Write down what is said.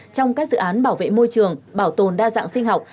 trong các dự án bảo vệ môi trường bảo tồn đa dạng sinh học